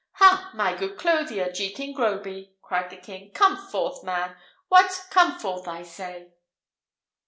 "Ha! my good clothier, Jekin Groby!" cried the king; "come forth, man! What! come forth, I say!"